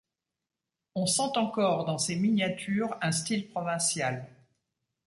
On sent encore dans ces miniatures un style provincial.